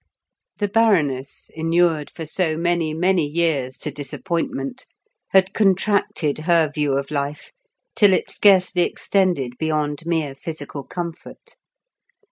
The Baroness, inured for so many, many years to disappointment, had contracted her view of life till it scarcely extended beyond mere physical comfort.